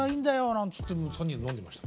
なんつって３人で飲んでました。